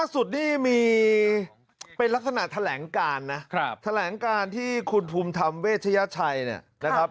นะล่าสุดนี่มีเป็นลักษณะแถลงการนะครับทะแหล่งการที่คุณพลุมธรรมเวชยาชัยนะครับ